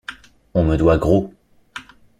On me doit gros.